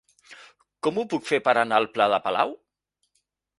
Com ho puc fer per anar al pla de Palau?